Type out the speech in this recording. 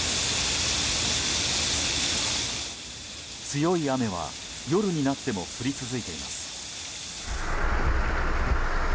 強い雨は夜になっても降り続いています。